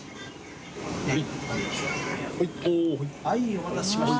お待たせしました。